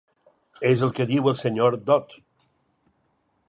És el que diu el Sr. Dodd.